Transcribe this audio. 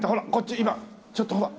今ちょっとほら。